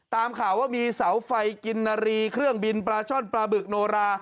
ตามข่าวว่ามีเสาไฟกินนารีเครื่องบินปลาช่อนปลาบึกโนรา